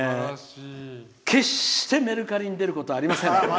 決してメルカリに出ることはありません。